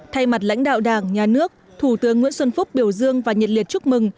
thay mặt lãnh đạo đảng nhà nước thủ tướng nguyễn xuân phúc biểu dương và nhiệt liệt chúc mừng